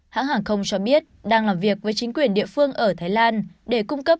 hãng hàng không cho biết đang làm việc với chính quyền địa phương ở thái lan để cung cấp